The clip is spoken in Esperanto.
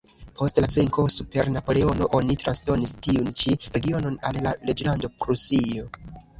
Post la venko super Napoleono oni transdonis tiun ĉi regionon al la reĝlando Prusio.